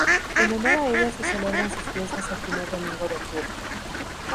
En honor a ella se celebran sus fiestas el primer domingo de octubre.